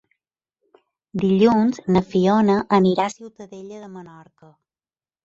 Dilluns na Fiona anirà a Ciutadella de Menorca.